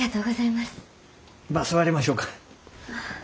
まあ座りましょうか。